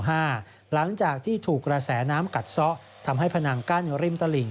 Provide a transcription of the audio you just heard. หลังจากที่ถูกกระแสน้ำกัดซะทำให้ผนังกั้นริมตลิ่ง